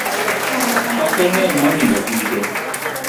Pache ng'eny mohingo ike